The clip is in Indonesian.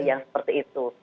yang seperti itu